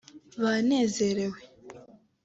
banezerewe